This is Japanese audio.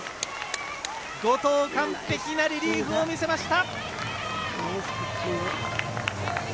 後藤、完璧なリリーフを見せました！